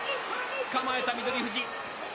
つかまえた翠富士。